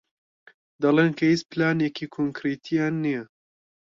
دەڵێن کە هیچ پلانێکی کۆنکریتییان نییە.